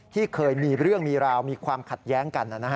ที่เคยมีเรื่องมีราวมีความขัดแย้งกัน